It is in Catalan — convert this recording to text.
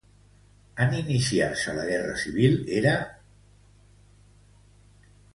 En iniciar-se la Guerra Civil, era a Madrid.